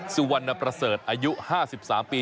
สุวรรณประเสริฐอายุ๕๓ปี